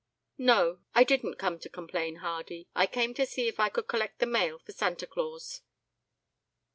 "No," replied the doctor. "I didn't come to complain, Hardy, I came to see if I could collect the mail for Santa Claus."